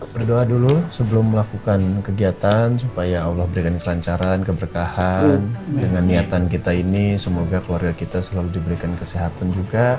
berdoa dulu sebelum melakukan kegiatan supaya allah berikan kelancaran keberkahan dengan niatan kita ini semoga keluarga kita selalu diberikan kesehatan juga